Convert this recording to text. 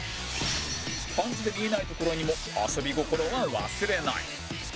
パンツで見えない所にも遊び心は忘れない